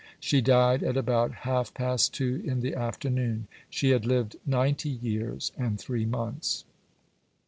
She died at about half past two in the afternoon. She had lived 90 years and three months.